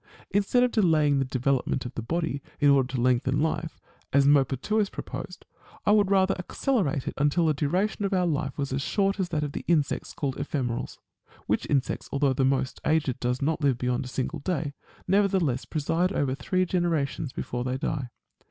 Instead of delaying the development of the body, in order to lengthen life, as Maupertuis^ pro posed, I would rather accelerate it until the duration of. our life was as short as that of the insects called ephemerals ; which insects, although the most aged does not live beyond a single day, nevertheless preside over three generations before they die.